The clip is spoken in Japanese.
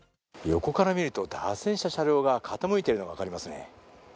横から見ると脱線した車両が傾いているのが分かりますね。